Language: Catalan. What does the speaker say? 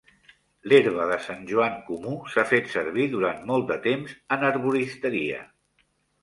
L'herba de Sant Joan comú s'ha fet servir durant molt de temps en herboristeria.